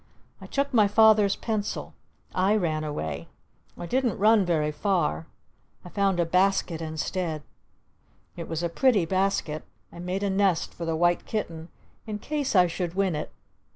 I took my Father's pencil. I ran away. I didn't run very far. I found a basket instead. It was a pretty basket. I made a nest for the White Kitten in case I should win it!